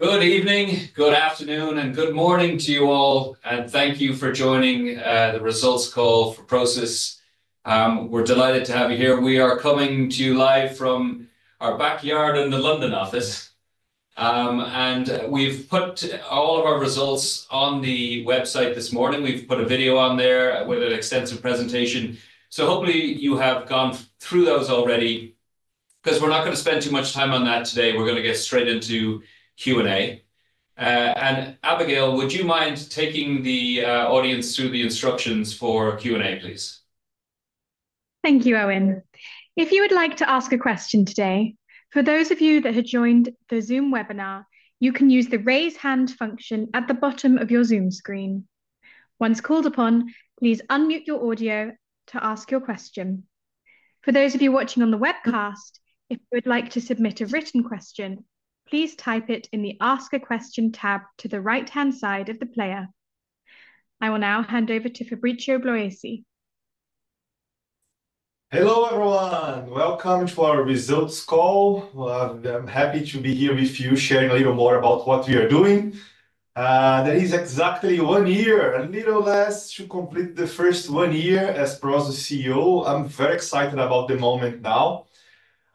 Good evening, good afternoon, and good morning to you all. Thank you for joining the results call for Naspers. We're delighted to have you here. We are coming to you live from our backyard in the London office. We've put all of our results on the website this morning. We've put a video on there with an extensive presentation. Hopefully you have gone through those already. Because we're not going to spend too much time on that today, we're going to get straight into Q&A. Abigail, would you mind taking the audience through the instructions for Q&A, please? Thank you, Owen. If you would like to ask a question today, for those of you that have joined the Zoom webinar, you can use the raise hand function at the bottom of your Zoom screen. Once called upon, please unmute your audio to ask your question. For those of you watching on the webcast, if you would like to submit a written question, please type it in the Ask a Question tab to the right-hand side of the player. I will now hand over to Fabricio Bloisi. Hello, everyone. Welcome to our results call. I'm happy to be here with you, sharing a little more about what we are doing. That is exactly one year, a little less to complete the first one year as Prosus CEO. I'm very excited about the moment now.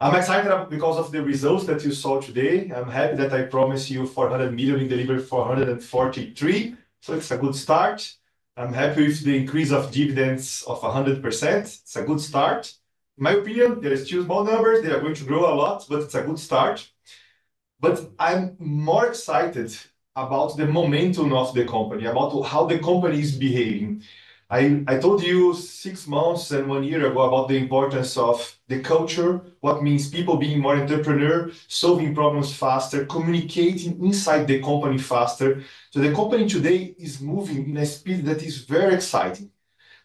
I'm excited because of the results that you saw today. I'm happy that I promised you $400 million in delivery for $143 million. It's a good start. I'm happy with the increase of dividends of 100%. It's a good start. In my opinion, there are still small numbers. They are going to grow a lot, but it's a good start. I'm more excited about the momentum of the company, about how the company is behaving. I told you six months and one year ago about the importance of the culture, what means people being more entrepreneurial, solving problems faster, communicating inside the company faster. The company today is moving in a speed that is very exciting.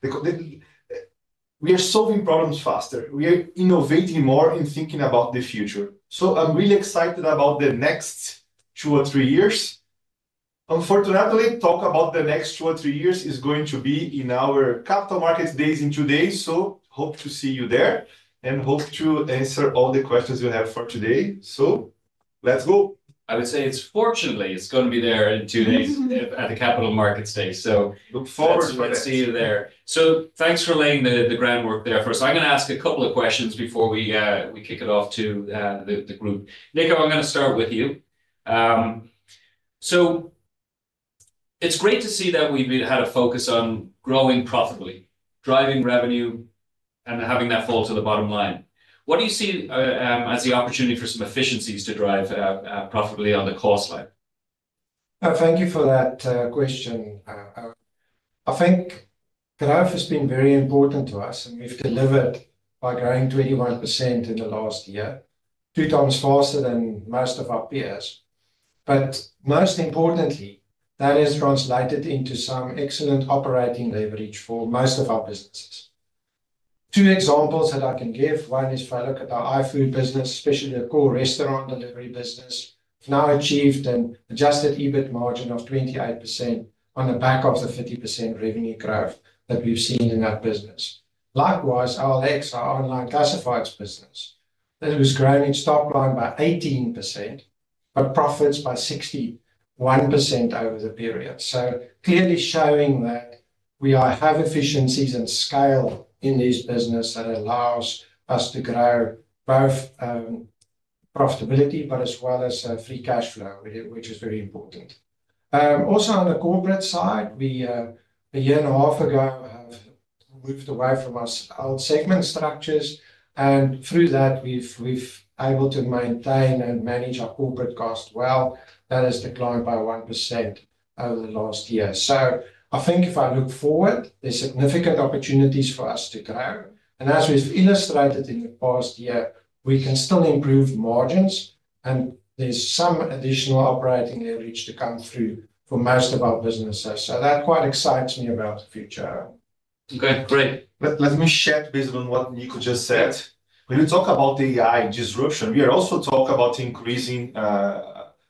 We are solving problems faster. We are innovating more and thinking about the future. I'm really excited about the next two or three years. Unfortunately, talk about the next two or three years is going to be in our capital markets days in two days. Hope to see you there and hope to answer all the questions you have for today. Let's go. I would say it's fortunately it's going to be there in two days at the capital markets day. Look forward to seeing you there. Thanks for laying the groundwork there first. I'm going to ask a couple of questions before we kick it off to the group. Nico, I'm going to start with you. It's great to see that we've had a focus on growing profitably, driving revenue, and having that fall to the bottom line. What do you see as the opportunity for some efficiencies to drive profitably on the cost line? Thank you for that question. I think growth has been very important to us, and we've delivered by growing 21% in the last year, two times faster than most of our peers. Most importantly, that has translated into some excellent operating leverage for most of our businesses. Two examples that I can give, one is if I look at our iFood business, especially the core restaurant delivery business, we've now achieved an adjusted EBIT margin of 28% on the back of the 50% revenue growth that we've seen in that business. Likewise, our OLX, our online classifieds business, that was growing its top line by 18%, but profits by 61% over the period. Clearly showing that we have efficiencies and scale in this business that allows us to grow both profitability, but as well as free cash flow, which is very important. Also on the corporate side, a year and a half ago, we have moved away from our old segment structures. Through that, we've been able to maintain and manage our corporate costs well. That has declined by 1% over the last year. I think if I look forward, there are significant opportunities for us to grow. As we've illustrated in the past year, we can still improve margins. There is some additional operating leverage to come through for most of our businesses. That quite excites me about the future. Okay, great. Let me shed a bit on what Nico just said. When we talk about AI disruption, we are also talking about increasing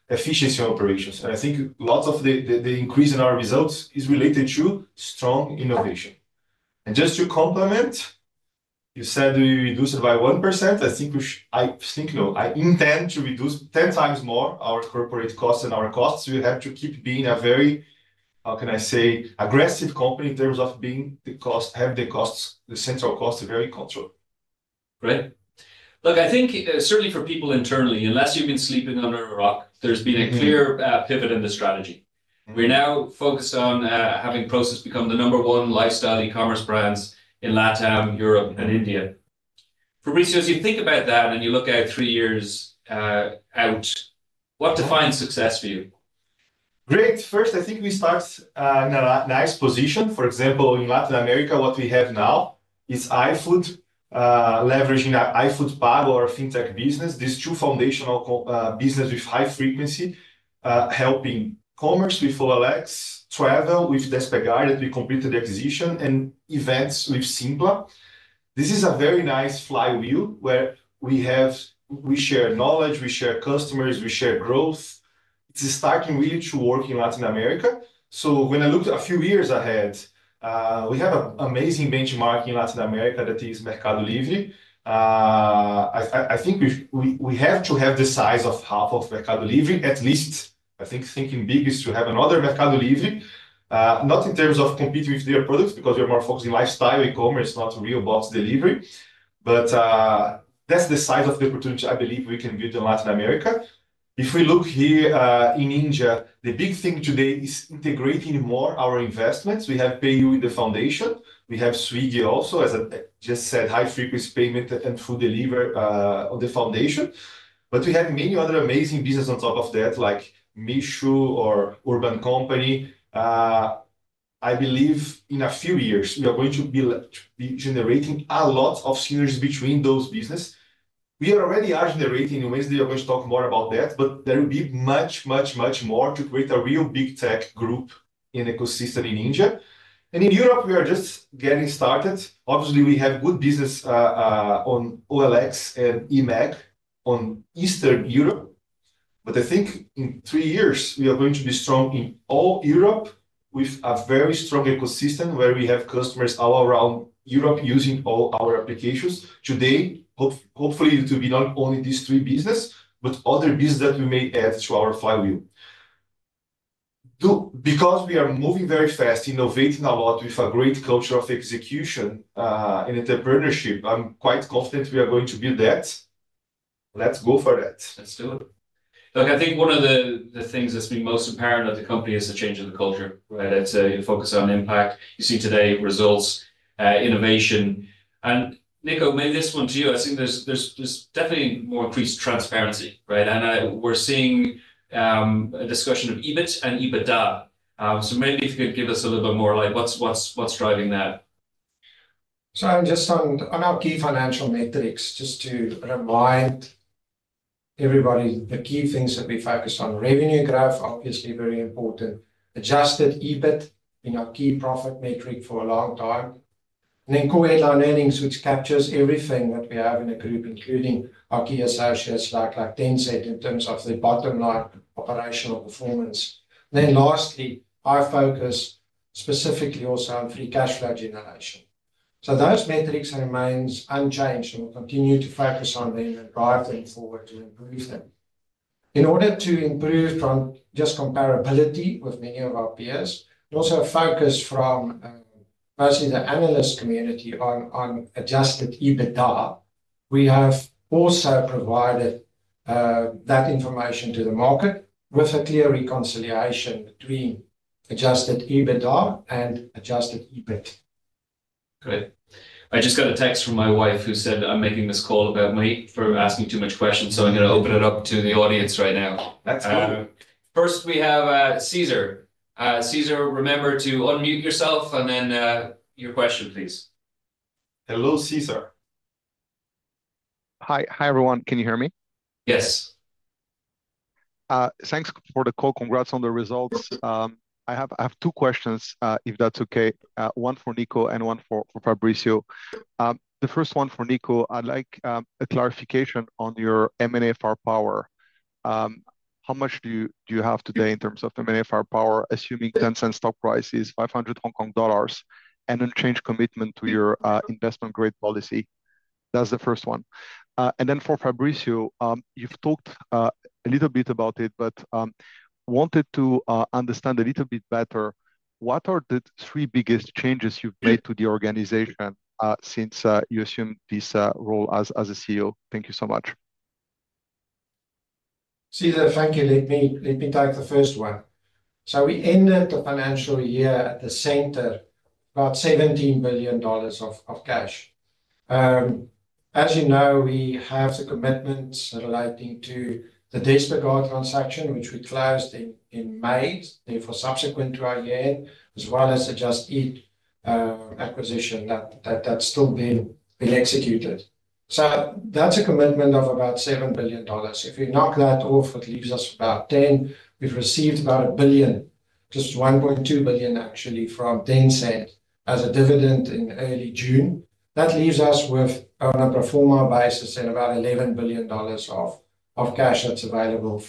efficiency in operations. I think lots of the increase in our results is related to strong innovation. Just to complement, you said we reduced it by 1%. I think, I think no, I intend to reduce 10 times more our corporate costs and our costs. We have to keep being a very, how can I say, aggressive company in terms of being the cost, have the costs, the central costs very controlled. Right. Look, I think certainly for people internally, unless you've been sleeping under a rock, there's been a clear pivot in the strategy. We're now focused on having Prosus become the number one lifestyle e-commerce brands in Latin America, Europe, and India. Fabricio, as you think about that and you look out three years out, what defines success for you? Great. First, I think we start in a nice position. For example, in Latin America, what we have now is iFood, leveraging iFood Pago or FinTech business, these two foundational businesses with high frequency, helping commerce with OLX, travel with Despegar that we completed the acquisition, and events with Sympla. This is a very nice flywheel where we share knowledge, we share customers, we share growth. It's starting really to work in Latin America. When I looked a few years ahead, we have an amazing benchmark in Latin America that is MercadoLibre. I think we have to have the size of half of MercadoLibre, at least. I think thinking big is to have another MercadoLibre, not in terms of competing with their products because we are more focused on lifestyle e-commerce, not real box delivery. That's the size of the opportunity I believe we can build in Latin America. If we look here in India, the big thing today is integrating more our investments. We have PayU in the foundation. We have Swiggy also, as I just said, high frequency payment and food delivery on the foundation. We have many other amazing businesses on top of that, like Meituan or Urban Company. I believe in a few years, we are going to be generating a lot of synergies between those businesses. We already are generating in Wednesday. We're going to talk more about that, but there will be much, much, much more to create a real big tech group in the ecosystem in India. In Europe, we are just getting started. Obviously, we have good business on OLX and eMAG in Eastern Europe. I think in three years, we are going to be strong in all Europe with a very strong ecosystem where we have customers all around Europe using all our applications. Today, hopefully, it will be not only these three businesses, but other businesses that we may add to our flywheel. Because we are moving very fast, innovating a lot with a great culture of execution and entrepreneurship, I'm quite confident we are going to build that. Let's go for that. Let's do it. Look, I think one of the things that's been most apparent at the company is the change in the culture. It's a focus on impact. You see today results, innovation. And Nico, maybe this one to you. I think there's definitely more increased transparency. And we're seeing a discussion of EBIT and EBITDA. So maybe if you could give us a little bit more like what's driving that. I'll just keep financial metrics just to remind everybody the key things that we focused on. Revenue graph, obviously very important. Adjusted EBIT, been our key profit metric for a long time. Then core headline earnings, which captures everything that we have in the group, including our key associates like Tencent in terms of the bottom line operational performance. Lastly, our focus specifically also on free cash flow generation. Those metrics remain unchanged and we'll continue to focus on them and drive them forward to improve them. In order to improve just comparability with many of our peers, also a focus from mostly the analyst community on adjusted EBITDA, we have also provided that information to the market with a clear reconciliation between adjusted EBITDA and adjusted EBIT. Great. I just got a text from my wife who said I'm making this call about money for asking too many questions. I'm going to open it up to the audience right now. That's fine. First, we have Cesar. Cesar, remember to unmute yourself and then your question, please. Hello, Cesar. Hi everyone. Can you hear me? Yes. Thanks for the call. Congrats on the results. I have two questions, if that's okay. One for Nico and one for Fabricio. The first one for Nico, I'd like a clarification on your M&A firepower. How much do you have today in terms of M&A firepower, assuming Tencent stock price is 500 Hong Kong dollars and unchanged commitment to your investment grade policy? That's the first one. And then for Fabricio, you've talked a little bit about it, but wanted to understand a little bit better, what are the three biggest changes you've made to the organization since you assumed this role as CEO? Thank you so much. Cesar, thank you. Let me take the first one. We ended the financial year at the center, about $17 billion of cash. As you know, we have the commitment relating to the Despegar transaction, which we closed in May, therefore subsequent to our year, as well as the Just Eat acquisition that's still being executed. That is a commitment of about $7 billion. If we knock that off, it leaves us about $10 billion. We've received about $1 billion, just $1.2 billion actually from Tencent as a dividend in early June. That leaves us with our number of former buyers to spend about $11 billion of cash that's available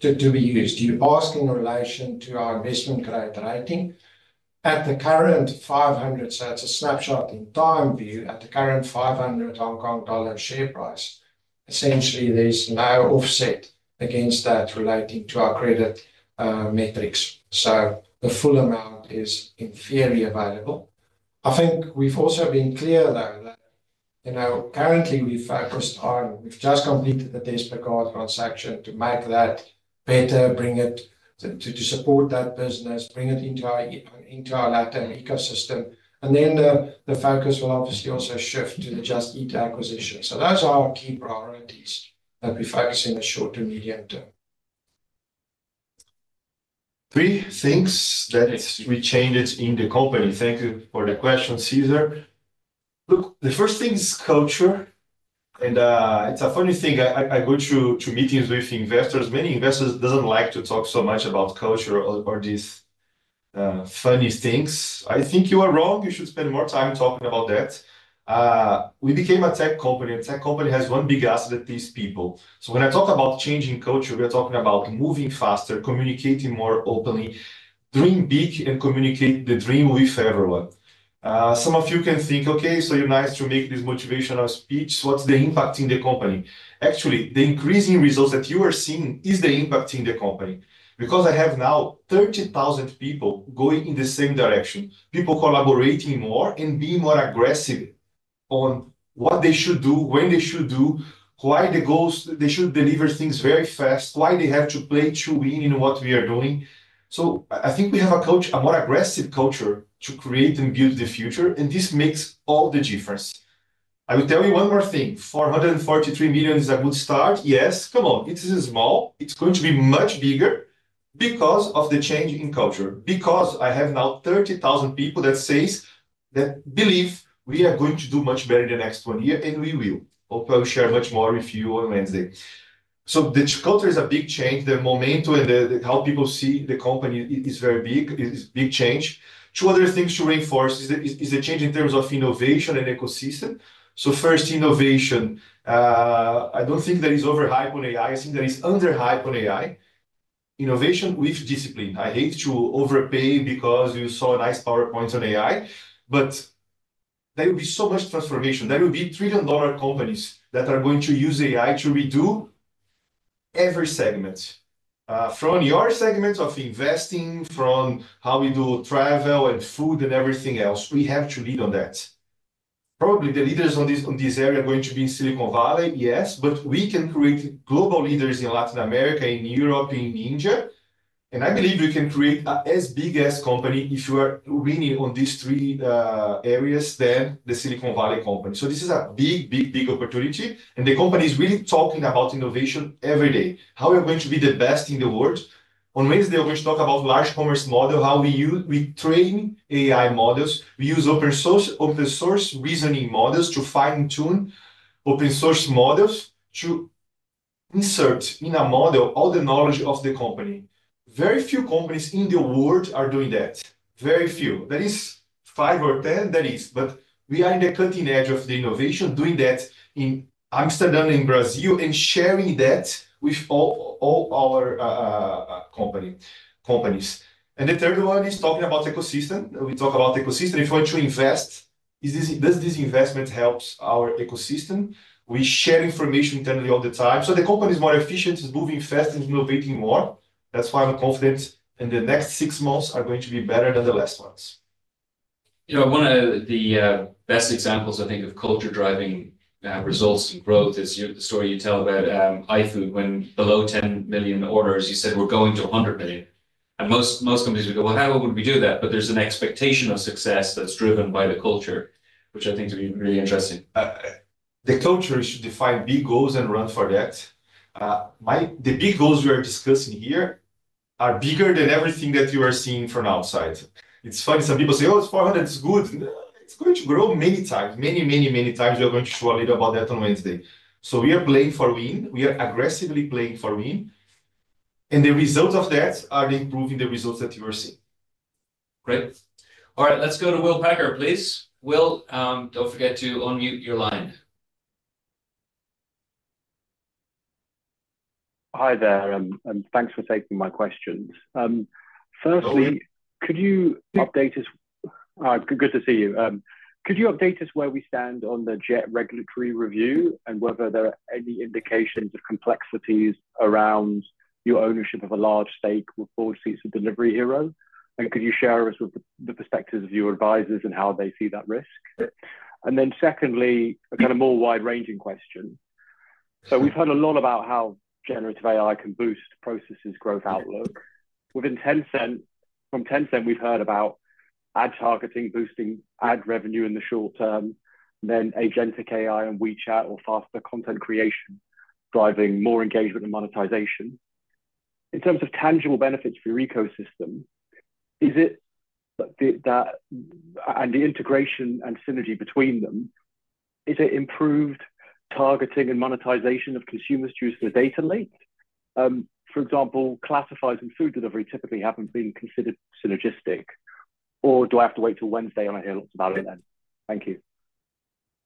to be used. You ask in relation to our investment grade rating. At the current 500, so it's a snapshot in time view, at the current 500 Hong Kong dollar share price, essentially there's no offset against that relating to our credit metrics. So the full amount is inferior available. I think we've also been clear though that currently we've focused on, we've just completed the Despegar transaction to make that better, bring it to support that business, bring it into our LATAM ecosystem. And then the focus will obviously also shift to the Just Eat Takeaway acquisition. Those are our key priorities that we focus on in the short to medium term. Three things that we changed in the company. Thank you for the question, Cesar. Look, the first thing is culture. And it's a funny thing. I go to meetings with investors. Many investors do not like to talk so much about culture or these funny things. I think you are wrong. You should spend more time talking about that. We became a tech company. A tech company has one big asset that is people. So when I talk about changing culture, we are talking about moving faster, communicating more openly, dream big and communicate the dream with everyone. Some of you can think, okay, so you are nice to make this motivational speech. What is the impact in the company? Actually, the increasing results that you are seeing is the impact in the company. Because I have now 30,000 people going in the same direction, people collaborating more and being more aggressive on what they should do, when they should do, why they should deliver things very fast, why they have to play to win in what we are doing. I think we have a culture, a more aggressive culture to create and build the future. This makes all the difference. I will tell you one more thing. $443 million is a good start. Yes, come on. It is small. It is going to be much bigger because of the change in culture. Because I have now 30,000 people that say, that believe we are going to do much better in the next one year, and we will. Hope I will share much more with you on Wednesday. The culture is a big change. The momentum and how people see the company is very big. It's a big change. Two other things to reinforce is the change in terms of innovation and ecosystem. First, innovation. I don't think that is over-hype on AI. I think that is under-hype on AI. Innovation with discipline. I hate to overpay because you saw a nice PowerPoint on AI, but there will be so much transformation. There will be trillion-dollar companies that are going to use AI to redo every segment. From your segment of investing, from how we do travel and food and everything else, we have to lead on that. Probably the leaders on this area are going to be in Silicon Valley, yes, but we can create global leaders in Latin America, in Europe, in India. I believe we can create an as big as company if you are winning on these three areas than the Silicon Valley company. This is a big, big, big opportunity. The company is really talking about innovation every day. How are we going to be the best in the world? On Wednesday, we are going to talk about large commerce model, how we train AI models. We use open-source reasoning models to fine-tune open-source models to insert in a model all the knowledge of the company. Very few companies in the world are doing that. Very few. That is five or ten, that is. We are in the cutting edge of the innovation, doing that in Amsterdam, in Brazil, and sharing that with all our companies. The third one is talking about ecosystem. We talk about ecosystem. If we want to invest, does this investment help our ecosystem? We share information internally all the time. The company is more efficient, is moving fast, is innovating more. That's why I'm confident the next six months are going to be better than the last ones. You know, one of the best examples, I think, of culture driving results and growth is the story you tell about iFood when below 10 million orders, you said, we're going to 100 million. Most companies would go, well, how would we do that? There is an expectation of success that's driven by the culture, which I think is really interesting. The culture should define big goals and run for that. The big goals we are discussing here are bigger than everything that you are seeing from outside. It's funny. Some people say, oh, it's 400, it's good. It's going to grow many times, many, many, many times. We are going to show a little about that on Wednesday. We are playing for win. We are aggressively playing for win. The results of that are improving the results that you are seeing. Great. All right, let's go to Will Packer, please. Will, don't forget to unmute your line. Hi there. Thanks for taking my questions. Firstly, could you update us? Good to see you. Could you update us where we stand on the JET regulatory review and whether there are any indications of complexities around your ownership of a large stake with board seats of Delivery Hero? Could you share with us the perspectives of your advisors and how they see that risk? Secondly, a kind of more wide-ranging question. We've heard a lot about how generative AI can boost Prosus' growth outlook. Within Tencent, from Tencent, we've heard about ad targeting, boosting ad revenue in the short term, then agentic AI and WeChat or faster content creation, driving more engagement and monetization. In terms of tangible benefits for your ecosystem, is it that and the integration and synergy between them, is it improved targeting and monetization of consumers' use of the data link? For example, classifieds and food delivery typically haven't been considered synergistic. Or do I have to wait till Wednesday when I hear lots about it then? Thank you.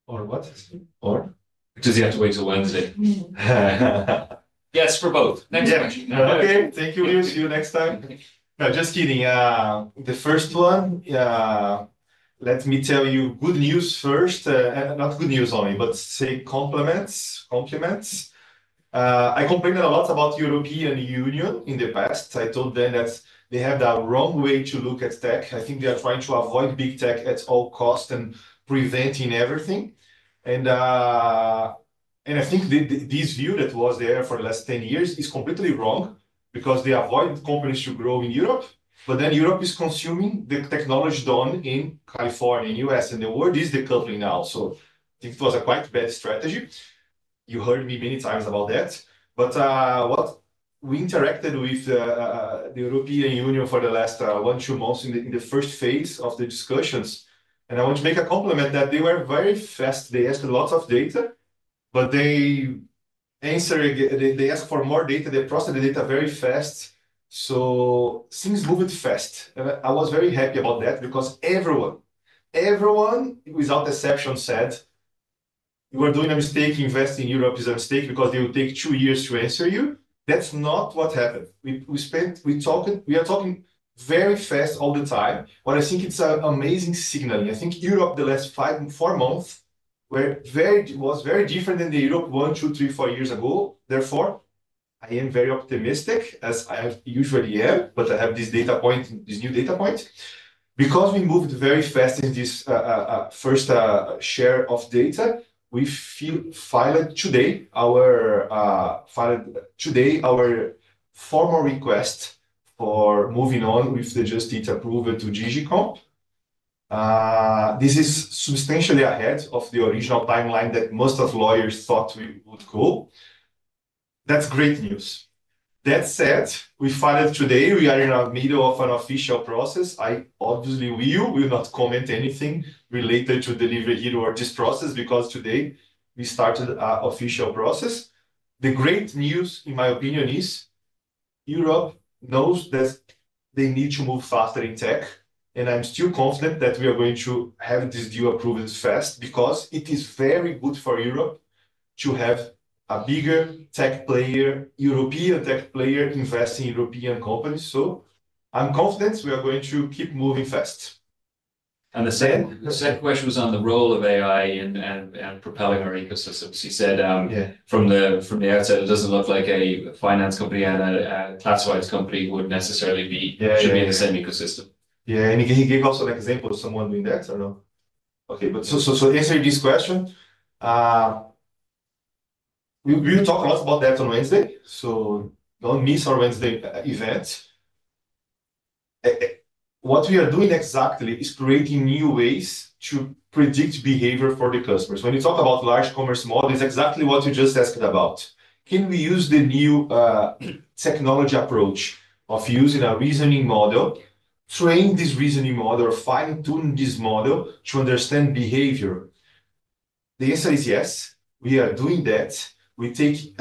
Or what? Or? Just have to wait till Wednesday. Yes, for both. Next question. Okay. Thank you, Lewis. See you next time. No, just kidding. The first one, let me tell you good news first. Not good news only, but say compliments. I complained a lot about the European Union in the past. I told them that they have the wrong way to look at tech. I think they are trying to avoid big tech at all costs and preventing everything. I think this view that was there for the last 10 years is completely wrong because they avoid companies to grow in Europe, but then Europe is consuming the technology done in California, in the U.S., and the world is decoupling now. I think it was a quite bad strategy. You heard me many times about that. We interacted with the European Union for the last one, two months in the first phase of the discussions. I want to make a compliment that they were very fast. They asked a lot of data, but they answered, they asked for more data. They processed the data very fast. Things moved fast. I was very happy about that because everyone, everyone without exception said, you are doing a mistake. Investing in Europe is a mistake because they will take two years to answer you. That is not what happened. We talked, we are talking very fast all the time. I think it is an amazing signal. I think Europe, the last four months were very, was very different than the Europe one, two, three, four years ago. Therefore, I am very optimistic, as I usually am, but I have this data point, this new data point. Because we moved very fast in this first share of data, we filed today our formal request for moving on with the Just Eat Takeaway approval to Digicom. This is substantially ahead of the original timeline that most of the lawyers thought we would go. That's great news. That said, we filed today. We are in the middle of an official process. I obviously will not comment on anything related to Delivery Hero or this process because today we started an official process. The great news, in my opinion, is Europe knows that they need to move faster in tech. I'm still confident that we are going to have this deal approved fast because it is very good for Europe to have a bigger tech player, European tech player investing in European companies. I'm confident we are going to keep moving fast. The second question was on the role of AI in propelling our ecosystems. He said from the outset, it does not look like a finance company and a classified company would necessarily be, should be in the same ecosystem. Yeah. He gave also an example of someone doing that. I do not know. Okay. To answer this question, we will talk a lot about that on Wednesday. Do not miss our Wednesday event. What we are doing exactly is creating new ways to predict behavior for the customers. When you talk about large commerce models, it is exactly what you just asked about. Can we use the new technology approach of using a reasoning model, train this reasoning model, or fine-tune this model to understand behavior? The answer is yes. We are doing that. We take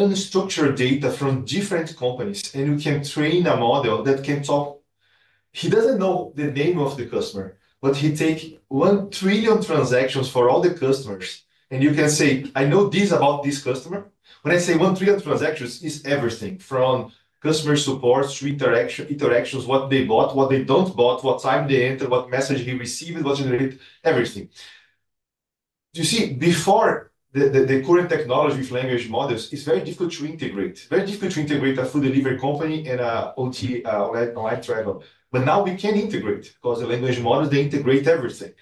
unstructured data from different companies, and we can train a model that can talk. He does not know the name of the customer, but he takes one trillion transactions for all the customers. You can say, I know this about this customer. When I say one trillion transactions, it's everything from customer support to interactions, what they bought, what they don't bought, what time they entered, what message he received, what generated, everything. You see, before the current technology with language models, it's very difficult to integrate. It's very difficult to integrate a food delivery company and an OT online travel. Now we can integrate because the language models, they integrate everything.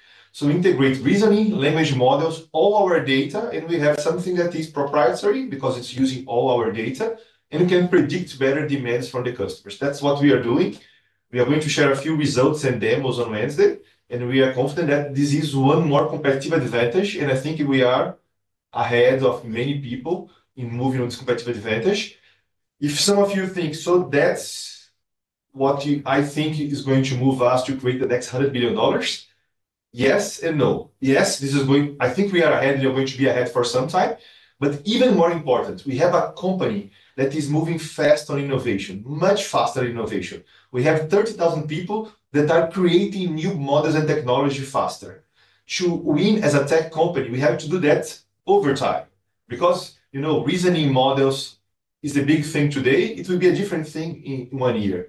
We integrate reasoning, language models, all our data, and we have something that is proprietary because it's using all our data, and we can predict better demands from the customers. That's what we are doing. We are going to share a few results and demos on Wednesday. We are confident that this is one more competitive advantage. I think we are ahead of many people in moving on this competitive advantage. If some of you think, so that's what I think is going to move us to create the next $100 billion, yes and no. Yes, this is going, I think we are ahead, and we are going to be ahead for some time. Even more important, we have a company that is moving fast on innovation, much faster innovation. We have 30,000 people that are creating new models and technology faster. To win as a tech company, we have to do that over time. Because reasoning models is a big thing today, it will be a different thing in one year.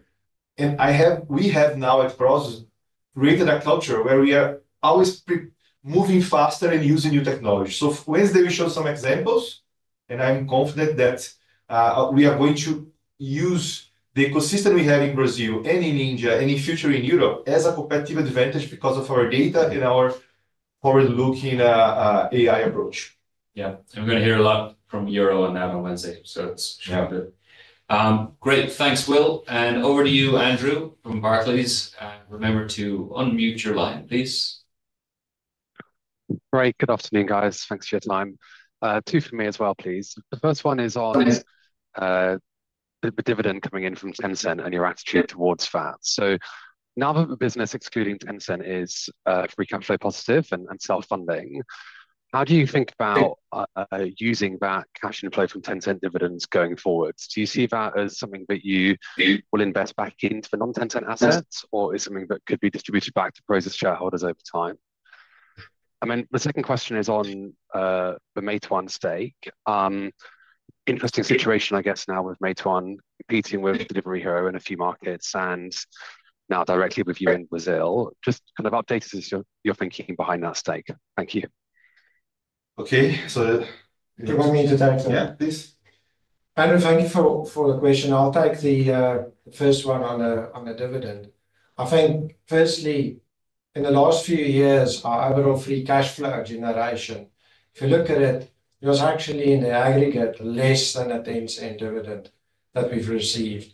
We have now at Naspers created a culture where we are always moving faster and using new technology. Wednesday, we showed some examples, and I'm confident that we are going to use the ecosystem we have in Brazil and in India and in future in Europe as a competitive advantage because of our data and our forward-looking AI approach. Yeah. We're going to hear a lot from Eoin on that on Wednesday. It's good. Great. Thanks, Will. Over to you, Andrew from Barclays. Remember to unmute your line, please. Great. Good afternoon, guys. Thanks for your time. Two for me as well, please. The first one is on the dividend coming in from Tencent and your attitude towards that. Now that the business, excluding Tencent, is free cash flow positive and self-funding, how do you think about using that cash inflow from Tencent dividends going forward? Do you see that as something that you will invest back into the non-Tencent assets, or is it something that could be distributed back to Naspers shareholders over time? The second question is on the Meituan stake. Interesting situation, I guess, now with Meituan competing with Delivery Hero in a few markets and now directly with you in Brazil. Just kind of update us as your thinking behind that stake. Thank you. Okay. So you want me to take some, please? Yeah. Andrew, thank you for the question. I'll take the first one on the dividend. I think, firstly, in the last few years, our overall free cash flow generation, if you look at it, it was actually in the aggregate less than a Tencent dividend that we've received.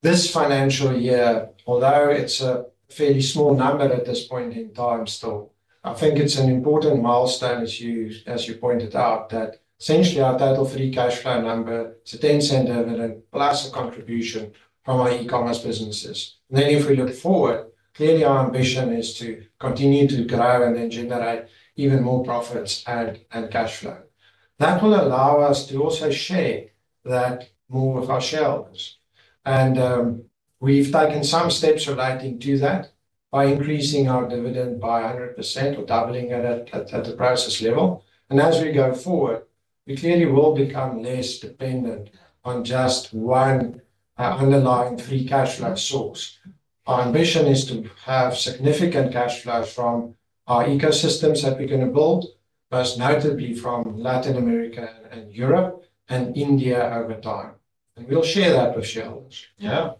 This financial year, although it's a fairly small number at this point in time still, I think it's an important milestone, as you pointed out, that essentially our total free cash flow number, it's a Tencent dividend plus a contribution from our e-commerce businesses. If we look forward, clearly our ambition is to continue to grow and then generate even more profits and cash flow. That will allow us to also share that more with our shareholders. We've taken some steps relating to that by increasing our dividend by 100% or doubling it at the Prosus level. As we go forward, we clearly will become less dependent on just one underlying free cash flow source. Our ambition is to have significant cash flow from our ecosystems that we're going to build, most notably from Latin America and Europe and India over time. We'll share that with shareholders. Yeah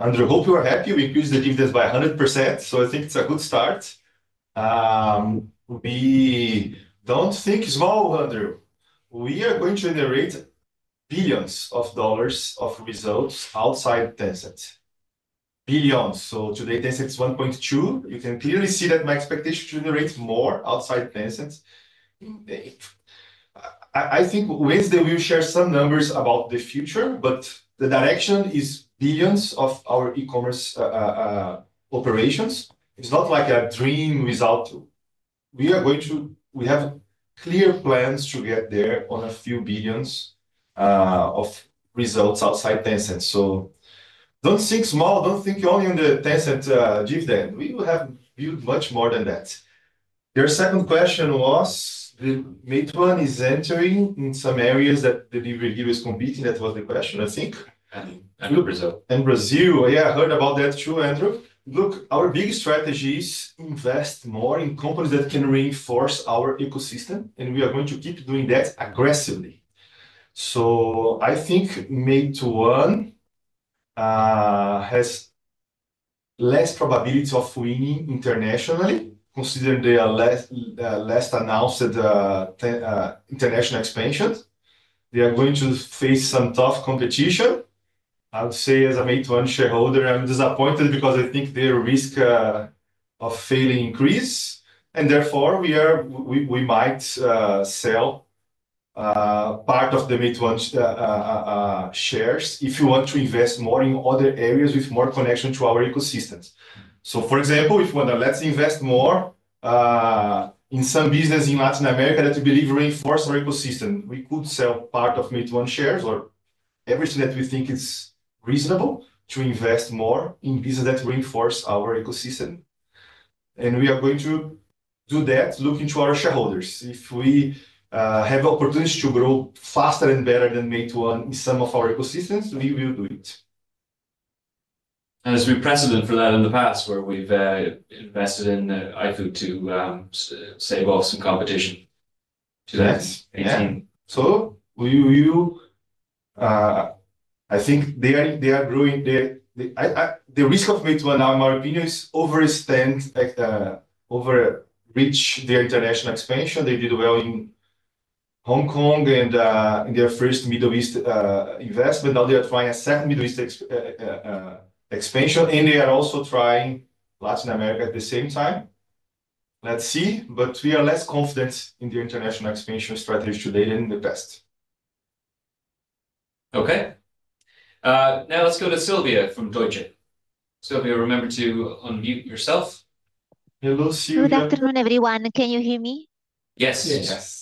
Andrew, I hope you are happy. We increased the dividends by 100%. I think it's a good start. We don't think small, Andrew. We are going to generate billions of dollars of results outside Tencent. Billions. Today, Tencent is $1.2 billion. You can clearly see that my expectation is to generate more outside Tencent. I think Wednesday, we'll share some numbers about the future, but the direction is billions from our e-commerce operations. It's not like a dream without. We are going to, we have clear plans to get there on a few billions of results outside Tencent. Don't think small. Don't think only on the Tencent dividend. We will have built much more than that. Your second question was, the Meituan is entering in some areas that Delivery Hero is competing. That was the question, I think. And Brazil.. Yeah, I heard about that too, Andrew. Look, our big strategy is to invest more in companies that can reinforce our ecosystem, and we are going to keep doing that aggressively. I think Meituan has less probability of winning internationally, considering they are less announced international expansion. They are going to face some tough competition. I would say, as a Meituan shareholder, I'm disappointed because I think their risk of failing increases. Therefore, we might sell part of the Meituan shares if you want to invest more in other areas with more connection to our ecosystems. For example, if you want to let's invest more in some business in Latin America that we believe reinforces our ecosystem, we could sell part of Meituan shares or everything that we think is reasonable to invest more in business that reinforces our ecosystem. We are going to do that, looking to our shareholders. If we have the opportunity to grow faster and better than Meituan in some of our ecosystems, we will do it. As we've precedent for that in the past, where we've invested in iFood to stave off some competition today. Yes.Thank you. I think they are growing. The risk of Meituan, in my opinion, is over-extend, over-reach their international expansion. They did well in Hong Kong and their first Middle East investment. Now they are trying a second Middle East expansion, and they are also trying Latin America at the same time. Let's see. We are less confident in their international expansion strategy today than in the past. Okay. Now let's go to Sylvia from Deutsche. Sylvia, remember to unmute yourself. Hello, Sylvia. Good afternoon, everyone. Can you hear me? Yes. Yes.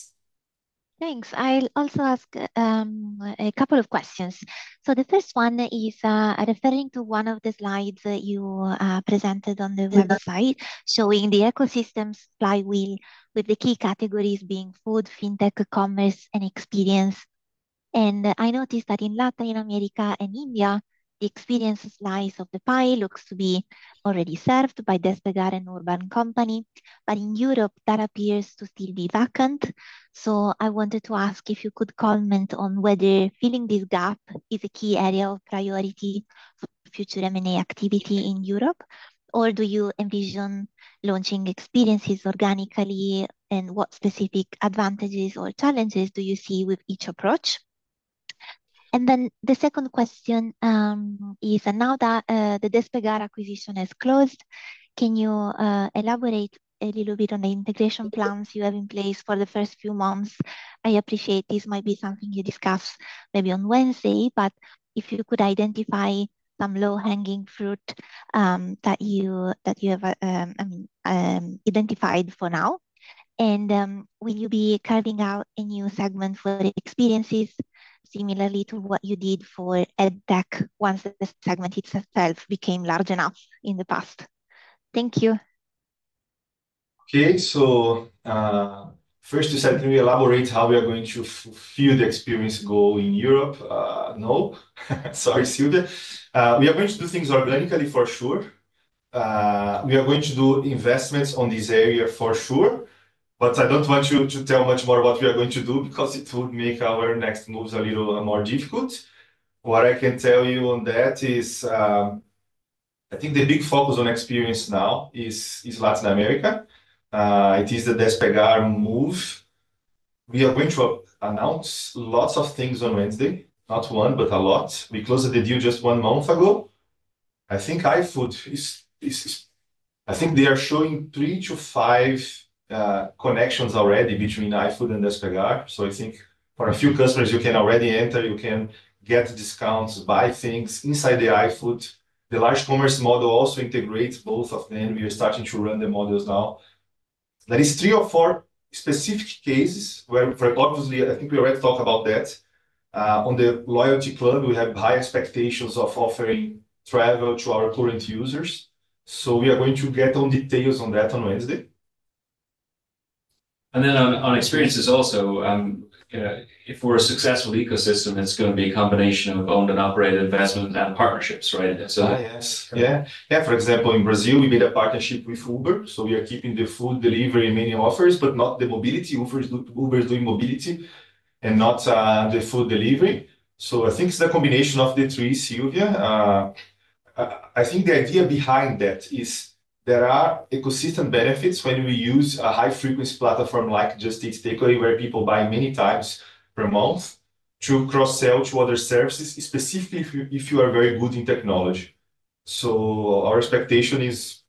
Thanks. I'll also ask a couple of questions. The first one is referring to one of the slides that you presented on the website showing the ecosystem supply wheel with the key categories being food, fintech, commerce, and experience. I noticed that in Latin America and India, the experience slice of the pie looks to be already served by Despegar and Urban Company. In Europe, that appears to still be vacant. I wanted to ask if you could comment on whether filling this gap is a key area of priority for future M&A activity in Europe, or do you envision launching experiences organically, and what specific advantages or challenges do you see with each approach? The second question is, now that the Despegar acquisition has closed, can you elaborate a little bit on the integration plans you have in place for the first few months? I appreciate this might be something you discuss maybe on Wednesday, but if you could identify some low-hanging fruit that you have identified for now, and will you be carving out a new segment for experiences similarly to what you did for EdTech once the segment itself became large enough in the past? Thank you. Okay. So first, does that really elaborate how we are going to fill the experience goal in Europe? No. Sorry, Sylvia. We are going to do things organically, for sure. We are going to do investments on this area for sure. I do not want to tell much more what we are going to do because it would make our next moves a little more difficult. What I can tell you on that is I think the big focus on experience now is Latin America. It is the Despegar move. We are going to announce lots of things on Wednesday, not one, but a lot. We closed the deal just one month ago. I think iFood, I think they are showing three to five connections already between iFood and Despegar. I think for a few customers, you can already enter, you can get discounts, buy things inside the iFood. The large commerce model also integrates both of them. We are starting to run the models now. That is three or four specific cases where, obviously, I think we already talked about that. On the loyalty club, we have high expectations of offering travel to our current users. We are going to get all details on that on Wednesday. On experiences also, if we're a successful ecosystem, it's going to be a combination of owned and operated investments and partnerships, right? Yes. For example, in Brazil, we made a partnership with Uber. We are keeping the food delivery in many offers, but not the mobility offers. Uber is doing mobility and not the food delivery. I think it is the combination of the three, Sylvia. I think the idea behind that is there are ecosystem benefits when we use a high-frequency platform like Just Eat Takeaway, where people buy many times per month to cross-sell to other services, specifically if you are very good in technology. Our expectation is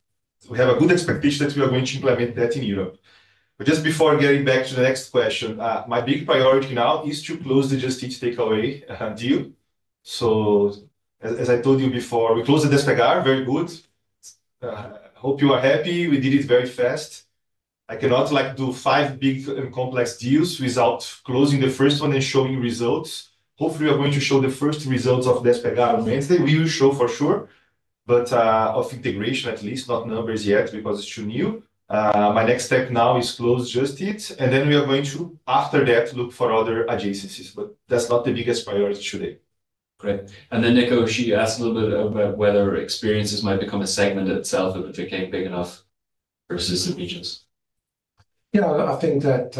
we have a good expectation that we are going to implement that in Europe. Just before getting back to the next question, my big priority now is to close the Just Eat Takeaway deal. As I told you before, we closed the Despegar. Very good. I hope you are happy. We did it very fast. I cannot do five big and complex deals without closing the first one and showing results. Hopefully, we are going to show the first results of Despegar on Wednesday. We will show for sure, but of integration at least, not numbers yet because it is too new. My next step now is close Just Eat. After that, we are going to look for other adjacencies. That is not the biggest priority today. Great. Nicho, she asked a little bit about whether experiences might become a segment itself if it became big enough versus the regions. Yeah. I think that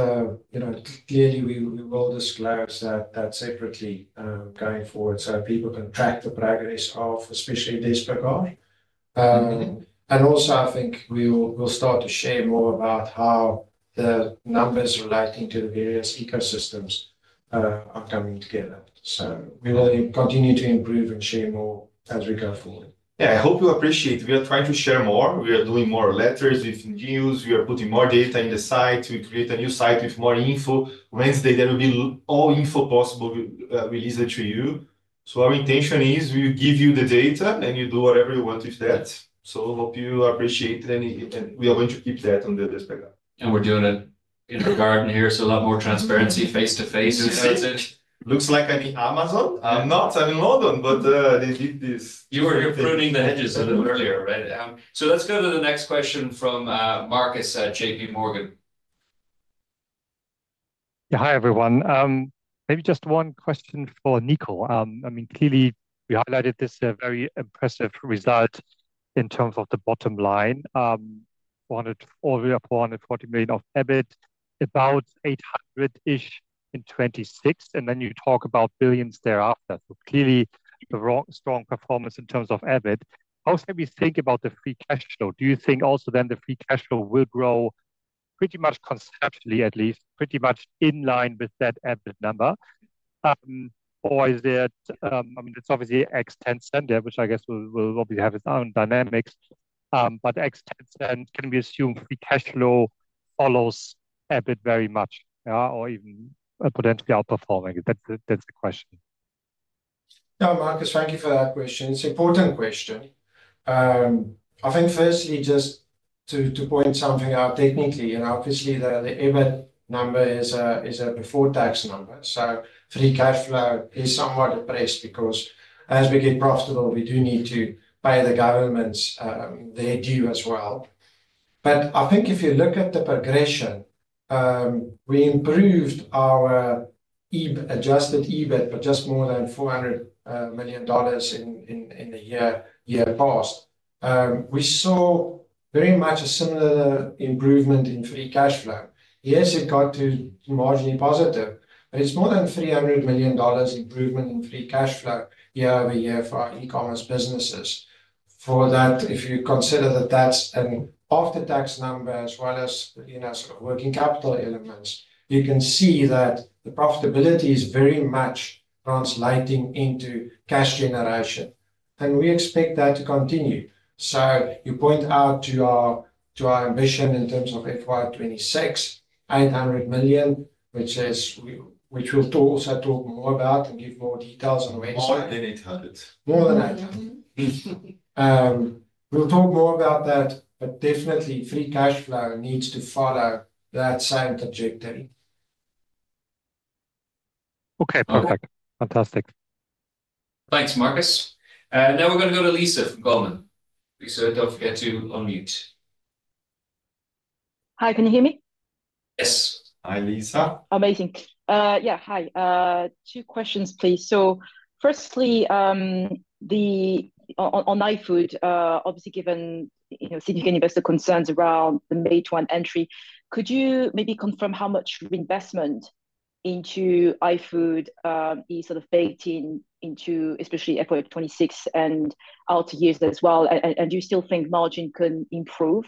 clearly we will disclose that separately going forward so people can track the progress of, especially Despegar. I think we'll start to share more about how the numbers relating to the various ecosystems are coming together. We will continue to improve and share more as we go forward. Yeah. I hope you appreciate. We are trying to share more. We are doing more letters with news. We are putting more data in the site. We create a new site with more info. Wednesday, there will be all info possible released to you. Our intention is we give you the data and you do whatever you want with that. Hope you appreciate it. We are going to keep that on the Despegar. We're doing it in the garden here. A lot more transparency face to face. Looks like I'm in Amazon. I'm not. I'm in London, but they did this. You were pruning the hedges a little earlier, right? Let's go to the next question from Marcus at JP Morgan. Hi, everyone. Maybe just one question for Nico. I mean, clearly, we highlighted this very impressive result in terms of the bottom line. We wanted over $440 million of EBIT, about $800 million-ish in 2026. And then you talk about billions thereafter. Clearly, a strong performance in terms of EBIT. Also, we think about the free cash flow. Do you think also then the free cash flow will grow pretty much conceptually, at least, pretty much in line with that EBIT number? I mean, it's obviously ex-Tencent, which I guess will obviously have its own dynamics. Ex-Tencent, can we assume free cash flow follows EBIT very much or even potentially outperforming? That's the question. Yeah, Marcus, thank you for that question. It's an important question. I think firstly, just to point something out technically, and obviously, the EBIT number is a before-tax number. Free cash flow is somewhat depressed because as we get profitable, we do need to pay the government their due as well. I think if you look at the progression, we improved our adjusted EBIT for just more than $400 million in the year past. We saw very much a similar improvement in free cash flow. Yes, it got to marginally positive, but it's more than $300 million improvement in free cash flow year over year for e-commerce businesses. For that, if you consider that that's an after-tax number as well as sort of working capital elements, you can see that the profitability is very much translating into cash generation. We expect that to continue. You point out to our ambition in terms of FY 2026, $800 million, which we'll also talk more about and give more details on Wednesday. More than 800. We will talk more about that, but definitely free cash flow needs to follow that same trajectory. Okay. Perfect. Fantastic. Thanks, Marcus. Now we're going to go to Lisa from Goldman. Lisa, don't forget to unmute. Hi. Can you hear me? Yes. Hi, Lisa. Amazing. Yeah. Hi. Two questions, please. Firstly, on iFood, obviously, given significant investor concerns around the Meituan entry, could you maybe confirm how much reinvestment into iFood is sort of baked in, especially for fiscal year 2026 and out years as well? Do you still think margin can improve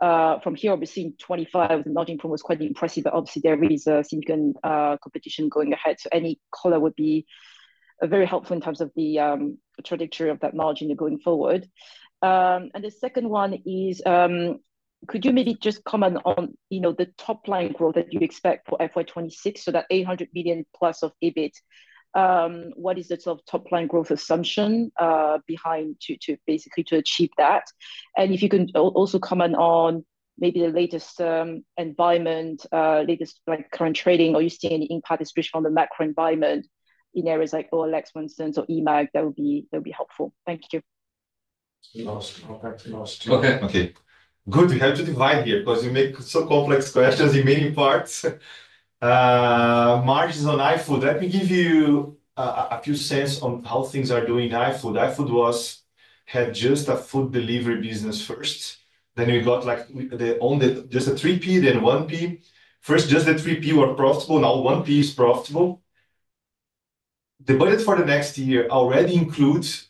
from here? Obviously, in 2025, the margin improvement was quite impressive, but obviously, there is significant competition going ahead. Any color would be very helpful in terms of the trajectory of that margin going forward. The second one is, could you maybe just comment on the top-line growth that you expect for fiscal year 2026? That $800 million plus of EBIT, what is the top-line growth assumption behind to basically achieve that? If you can also comment on maybe the latest environment, latest current trading, or you see any impact especially on the macro environment in areas like OLX, for instance, or eMAG, that would be helpful. Thank you. I'll back to you. Okay. Okay. Good. We have to divide here because you make so complex questions in many parts. Margins on iFood, let me give you a few cents on how things are doing in iFood. iFood had just a food delivery business first. Then we got just a 3P then 1P. First, just the 3P were profitable. Now 1P is profitable. The budget for the next year already includes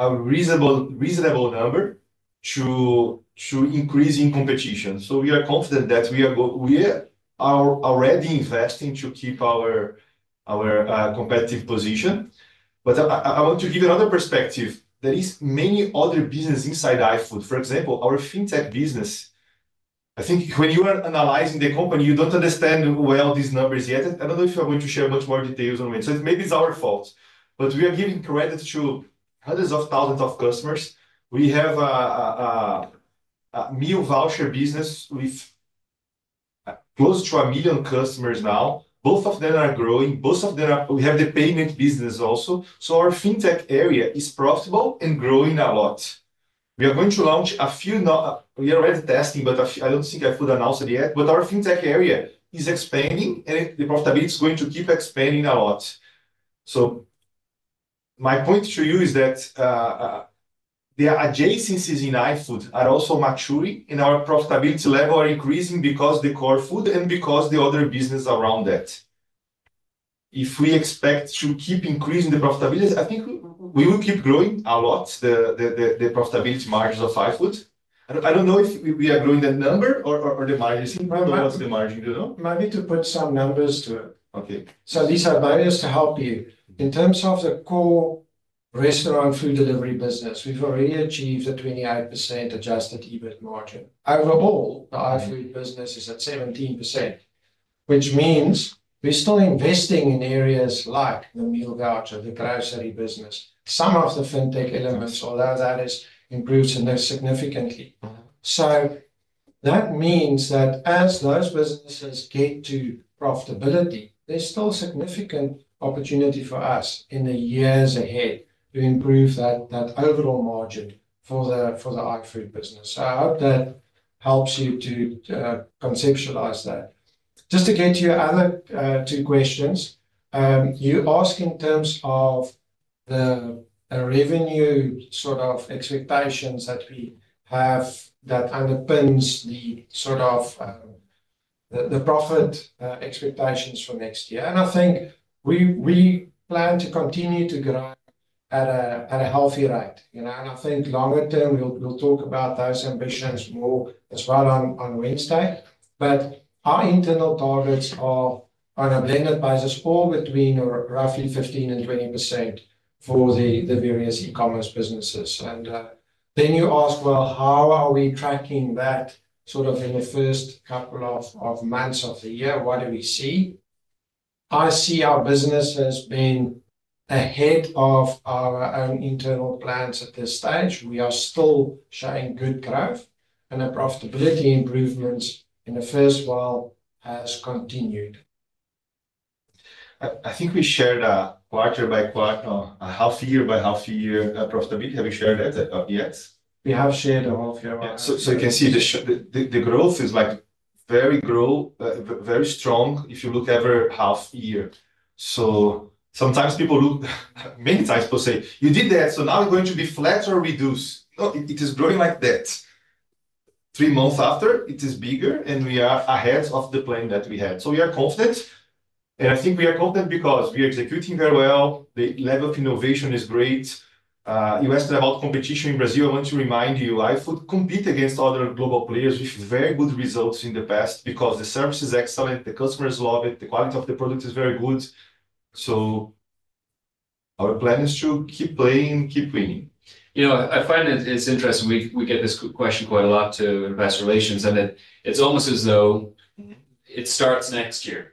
a reasonable number to increase in competition. We are confident that we are already investing to keep our competitive position. I want to give you another perspective. There are many other businesses inside iFood. For example, our fintech business. I think when you are analyzing the company, you do not understand well these numbers yet. I do not know if you are going to share much more details on it. Maybe it is our fault. We are giving credit to hundreds of thousands of customers. We have a meal voucher business with close to 1 million customers now. Both of them are growing. We have the payment business also. Our fintech area is profitable and growing a lot. We are going to launch a few—we are already testing, but I do not think I could announce it yet. Our fintech area is expanding, and the profitability is going to keep expanding a lot. My point to you is that the adjacencies in iFood are also maturing, and our profitability level is increasing because of the core food and because of the other businesses around that. If we expect to keep increasing the profitability, I think we will keep growing a lot, the profitability margins of iFood. I don't know if we are growing the number or the margins. I don't know what's the margin. Do you know? Maybe to put some numbers to it. Lisa, just to help you, in terms of the core restaurant food delivery business, we've already achieved a 28% adjusted EBIT margin. Overall, the iFood business is at 17%, which means we're still investing in areas like the meal voucher, the grocery business, some of the fintech elements, although that has improved significantly. That means that as those businesses get to profitability, there's still significant opportunity for us in the years ahead to improve that overall margin for the iFood business. I hope that helps you to conceptualize that. Just to get to your other two questions, you asked in terms of the revenue sort of expectations that we have that underpins the sort of the profit expectations for next year. I think we plan to continue to grow at a healthy rate. I think longer term, we'll talk about those ambitions more as well on Wednesday. Our internal targets are on a blended basis, all between roughly 15%-20% for the various e-commerce businesses. You ask, how are we tracking that sort of in the first couple of months of the year? What do we see? I see our business has been ahead of our own internal plans at this stage. We are still showing good growth, and the profitability improvements in the first while have continued. I think we shared a quarter by quarter, a half-year by half-year profitability. Have you shared that yet? We have shared a half-year one. You can see the growth is very strong if you look every half-year. Sometimes people look many times per say, "You did that, so now we're going to be flat or reduce." No, it is growing like that. Three months after, it is bigger, and we are ahead of the plan that we had. We are confident. I think we are confident because we are executing very well. The level of innovation is great. You asked about competition in Brazil. I want to remind you, iFood competes against other global players with very good results in the past because the service is excellent. The customers love it. The quality of the product is very good. Our plan is to keep playing, keep winning. You know. I find it's interesting. We get this question quite a lot to investor relations. It's almost as though it starts next year,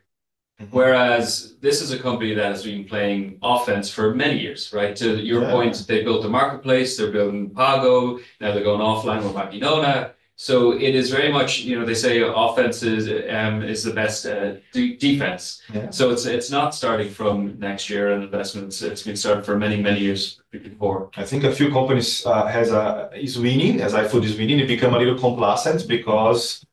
whereas this is a company that has been playing offense for many years, right? To your point, they built the marketplace. They're building Pago. Now they're going offline with Mabinona. It is very much they say offense is the best defense. It's not starting from next year in investments. It's been started for many, many years before. I think a few companies is winning, as iFood is winning. They become a little complacent because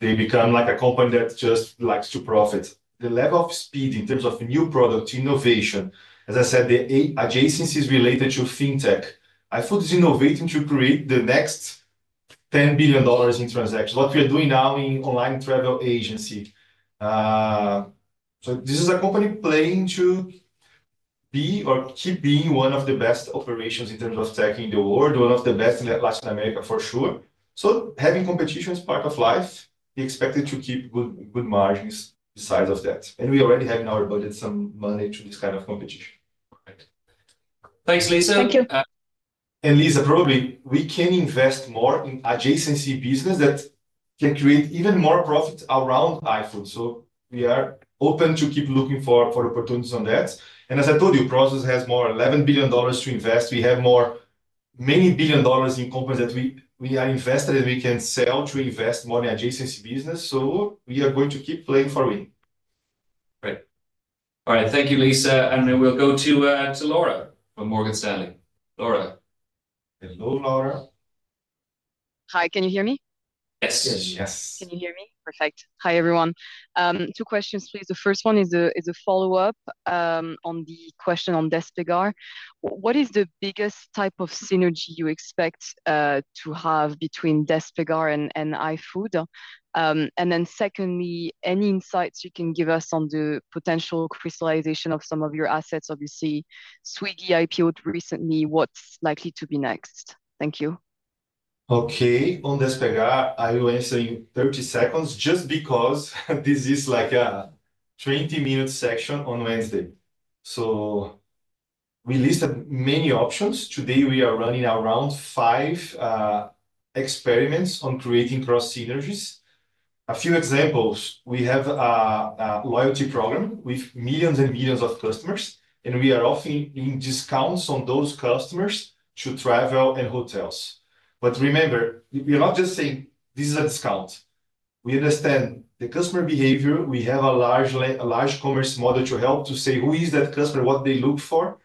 they become like a company that just likes to profit. The level of speed in terms of new product innovation, as I said, the adjacencies related to fintech. iFood is innovating to create the next $10 billion in transactions, what we are doing now in online travel agency. This is a company playing to be or keep being one of the best operations in terms of tech in the world, one of the best in Latin America for sure. Having competition is part of life. We expect it to keep good margins besides of that. We already have in our budget some money to this kind of competition. Thanks, Lisa. Thank you. Lisa, probably we can invest more in adjacency business that can create even more profit around iFood. We are open to keep looking for opportunities on that. As I told you, Prosus has more than $11 billion to invest. We have many billion dollars in companies that we are invested in. We can sell to invest more in adjacency business. We are going to keep playing for win. Great. All right. Thank you, Lisa. We will go to Laura from Morgan Stanley. Laura. Hello, Laura. Hi. Can you hear me? Yes. Yes. Can you hear me? Perfect. Hi, everyone. Two questions, please. The first one is a follow-up on the question on Despegar. What is the biggest type of synergy you expect to have between Despegar and iFood? Secondly, any insights you can give us on the potential crystallization of some of your assets? Obviously, Swiggy IPOed recently. What's likely to be next? Thank you. Okay. On Despegar, I will answer in 30 seconds just because this is like a 20-minute section on Wednesday. We listed many options. Today, we are running around five experiments on creating cross synergies. A few examples. We have a loyalty program with millions and millions of customers, and we are offering discounts on those customers to travel and hotels. Remember, we are not just saying this is a discount. We understand the customer behavior. We have a large commerce model to help to say who is that customer, what they look for.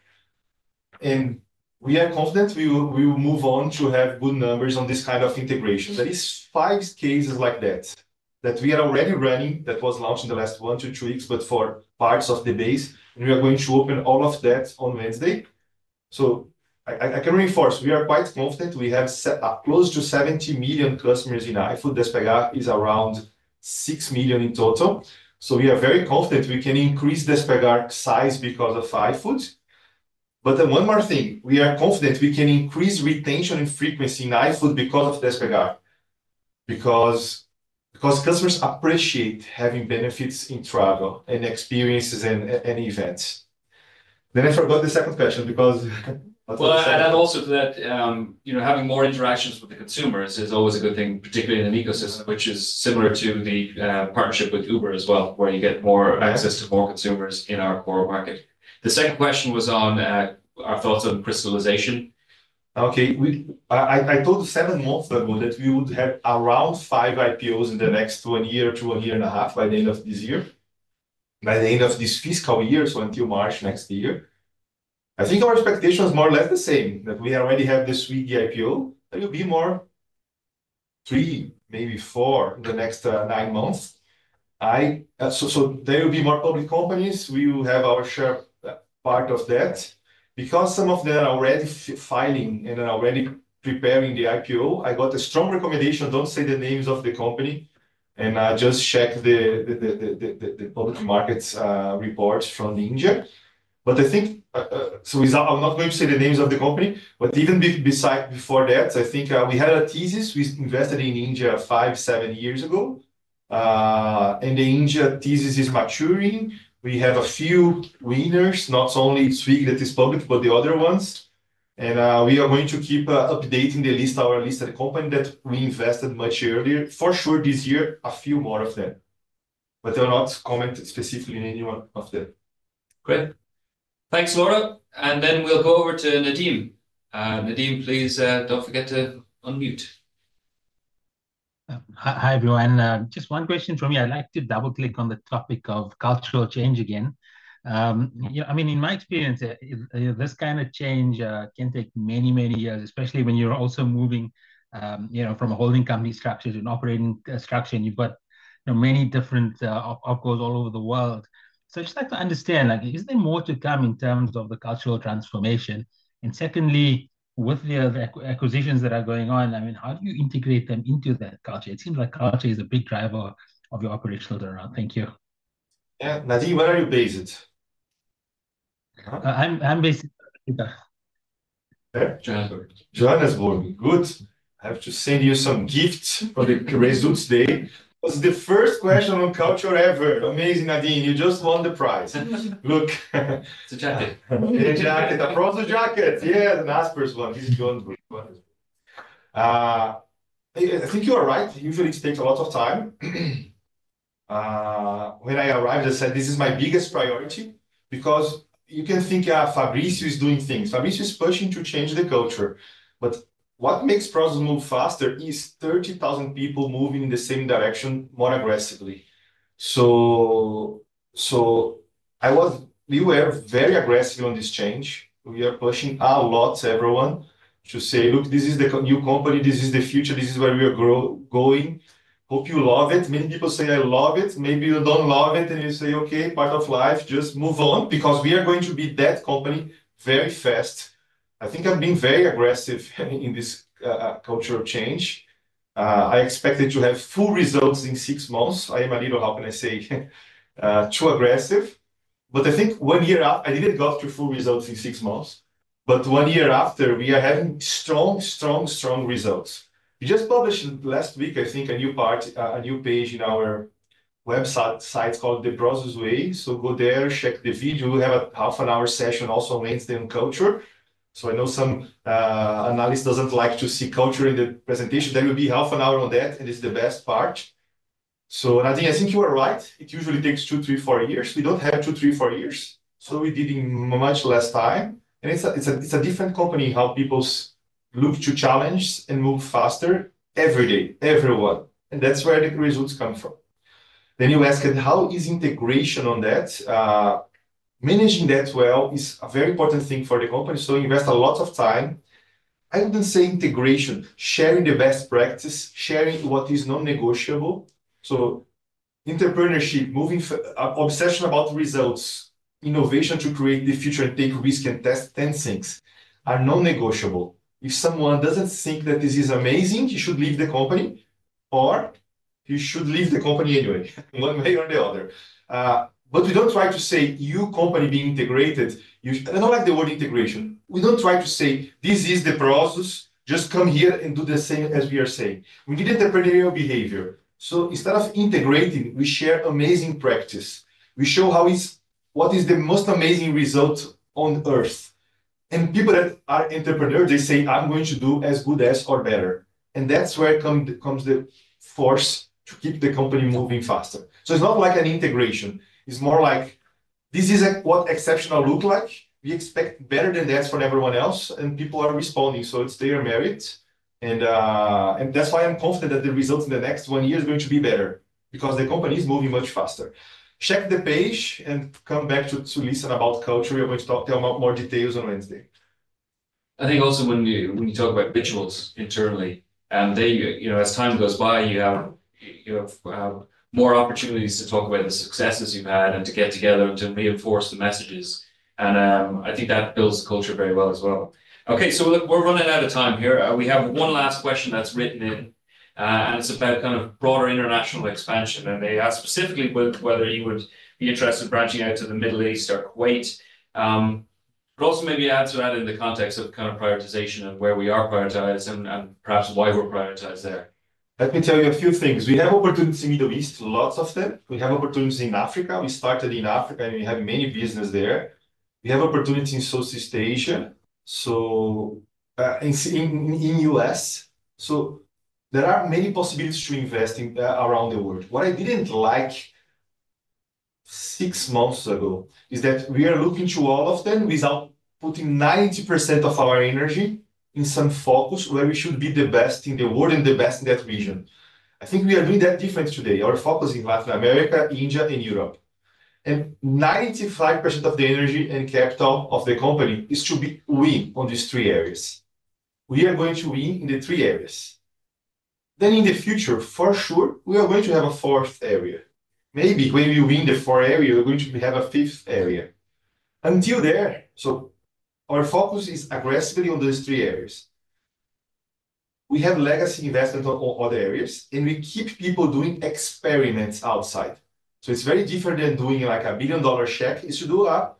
We are confident we will move on to have good numbers on this kind of integration. There are five cases like that that we are already running that were launched in the last one to two weeks, but for parts of the base. We are going to open all of that on Wednesday. I can reinforce we are quite confident. We have close to 70 million customers in iFood. Despegar is around 6 million in total. We are very confident we can increase Despegar's size because of iFood. One more thing, we are confident we can increase retention and frequency in iFood because of Despegar, because customers appreciate having benefits in travel and experiences and events. I forgot the second question because. Also to that, having more interactions with the consumers is always a good thing, particularly in an ecosystem, which is similar to the partnership with Uber as well, where you get more access to more consumers in our core market. The second question was on our thoughts on crystallization. Okay. I told you seven months ago that we would have around five IPOs in the next one year to one year and a half by the end of this year, by the end of this fiscal year, so until March next year. I think our expectation is more or less the same, that we already have the Swiggy IPO. There will be more, three, maybe four in the next nine months. There will be more public companies. We will have our share part of that. Because some of them are already filing and are already preparing the IPO, I got a strong recommendation. Do not say the names of the company. I just checked the public markets reports from Ninja. I think I am not going to say the names of the company. Even before that, I think we had a thesis. We invested in India five, seven years ago. The India thesis is maturing. We have a few winners, not only Swiggy that is public, but the other ones. We are going to keep updating the list, our listed company that we invested much earlier. For sure, this year, a few more of them. I will not comment specifically on any one of them. Great. Thanks, Laura. Then we'll go over to Nadim. Nadim, please do not forget to unmute. Hi, everyone. Just one question for me. I'd like to double-click on the topic of cultural change again. I mean, in my experience, this kind of change can take many, many years, especially when you're also moving from a holding company structure to an operating structure. And you've got many different opcos all over the world. I just like to understand, is there more to come in terms of the cultural transformation? Secondly, with the acquisitions that are going on, I mean, how do you integrate them into that culture? It seems like culture is a big driver of your operational turnout. Thank you. Yeah. Nadim, where are you based? I'm based in. Okay. Joanna's born. Good. I have to send you some gifts for the results day. It was the first question on culture ever. Amazing, Nadim. You just won the prize. Look. It's a jacket. It's a proper jacket. Yeah, the Naspers one. This is John's book. Wonderful. I think you are right. Usually, it takes a lot of time. When I arrived, I said, "This is my biggest priority," because you can think of Fabricio is doing things. Fabricio is pushing to change the culture. What makes Naspers move faster is 30,000 people moving in the same direction more aggressively. We were very aggressive on this change. We are pushing a lot, everyone, to say, "Look, this is the new company. This is the future. This is where we are going. Hope you love it." Many people say, "I love it." Maybe you do not love it, and you say, "Okay, part of life. Just move on," because we are going to be that company very fast. I think I have been very aggressive in this cultural change. I expected to have full results in six months. I am a little, how can I say, too aggressive. I think one year after, I did not go through full results in six months. One year after, we are having strong, strong, strong results. We just published last week, I think, a new part, a new page in our website called The Prosus Way. Go there, check the video. We have a half-an-hour session also on Wednesday on culture. I know some analysts do not like to see culture in the presentation. There will be half an hour on that, and it is the best part. Nadim, I think you are right. It usually takes two, three, four years. We do not have two, three, four years. We did in much less time. It's a different company how people look to challenge and move faster every day, everyone. That's where the results come from. You asked, "How is integration on that?" Managing that well is a very important thing for the company. Invest a lot of time. I wouldn't say integration, sharing the best practices, sharing what is non-negotiable. Entrepreneurship, obsession about results, innovation to create the future, and take risk and test 10 things are non-negotiable. If someone doesn't think that this is amazing, he should leave the company, or he should leave the company anyway, one way or the other. We don't try to say, "You company being integrated." I don't like the word integration. We don't try to say, "This is the process. Just come here and do the same as we are saying." We need entrepreneurial behavior. Instead of integrating, we share amazing practice. We show what is the most amazing result on earth. People that are entrepreneurs, they say, "I'm going to do as good as or better." That is where comes the force to keep the company moving faster. It is not like an integration. It is more like, "This is what exceptional looks like. We expect better than that for everyone else." People are responding. They are merit. That is why I am confident that the results in the next one year are going to be better because the company is moving much faster. Check the page and come back to listen about culture. We are going to talk more details on Wednesday. I think also when you talk about rituals internally, as time goes by, you have more opportunities to talk about the successes you've had and to get together and to reinforce the messages. I think that builds the culture very well as well. Okay. We are running out of time here. We have one last question that's written in. It is about kind of broader international expansion. They ask specifically whether you would be interested in branching out to the Middle East or Kuwait. Maybe add to that in the context of kind of prioritization and where we are prioritized and perhaps why we are prioritized there. Let me tell you a few things. We have opportunities in the Middle East, lots of them. We have opportunities in Africa. We started in Africa, and we have many businesses there. We have opportunities in Southeast Asia, so in the U.S. So there are many possibilities to invest around the world. What I did not like six months ago is that we are looking to all of them without putting 90% of our energy in some focus where we should be the best in the world and the best in that region. I think we are doing that differently today. Our focus is in Latin America, India, and Europe. And 95% of the energy and capital of the company is to be we on these three areas. We are going to win in the three areas. Then in the future, for sure, we are going to have a fourth area. Maybe when we win the four areas, we're going to have a fifth area. Until there, our focus is aggressively on those three areas. We have legacy investment in other areas, and we keep people doing experiments outside. It is very different than doing a billion-dollar check. It is to do a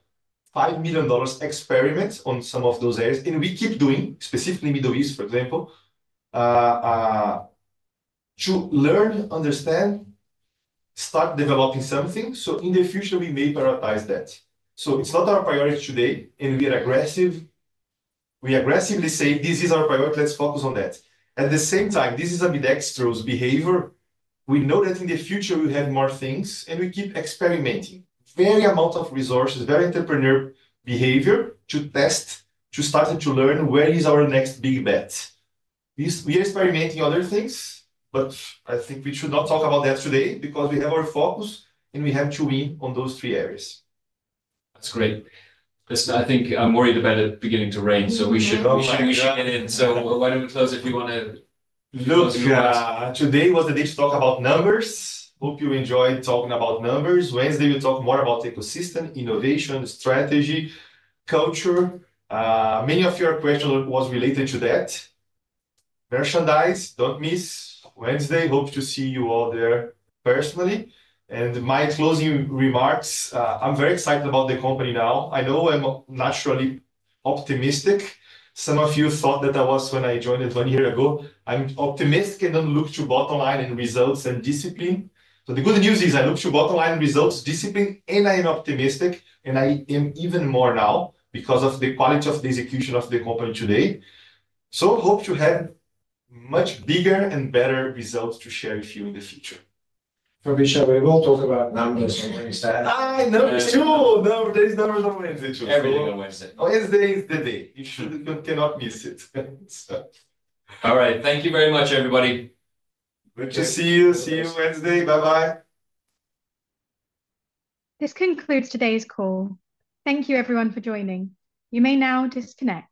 $5 million experiment on some of those areas. We keep doing, specifically Middle East, for example, to learn, understand, start developing something. In the future, we may prioritize that. It is not our priority today. We are aggressive. We aggressively say, "This is our priority. Let's focus on that." At the same time, this is a bit extra behavior. We know that in the future, we'll have more things. We keep experimenting. Very amount of resources, very entrepreneurial behavior to test, to start and to learn where is our next big bet. We are experimenting other things, but I think we should not talk about that today because we have our focus, and we have to win on those three areas. That's great. I think I'm worried about it beginning to rain, so we should get in. Why don't we close if you want to? Look, today was the day to talk about numbers. Hope you enjoyed talking about numbers. Wednesday, we'll talk more about ecosystem, innovation, strategy, culture. Many of your questions were related to that. Merchandise, don't miss. Wednesday, hope to see you all there personally. In my closing remarks, I'm very excited about the company now. I know I'm naturally optimistic. Some of you thought that I was when I joined one year ago. I'm optimistic and don't look to bottom line and results and discipline. The good news is I look to bottom line and results, discipline, and I am optimistic. I am even more now because of the quality of the execution of the company today. Hope to have much bigger and better results to share with you in the future. Fabricio, we will talk about numbers on Wednesday. I know. There are numbers on Wednesday too. Every day on Wednesday.Wednesday is the day. You cannot miss it. All right. Thank you very much, everybody. Good to see you. See you Wednesday. Bye-bye. This concludes today's call. Thank you, everyone, for joining. You may now disconnect.